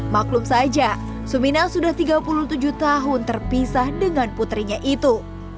maklum saja suminah sudah tiga puluh tujuh tahun terpisah dengan putrinya itu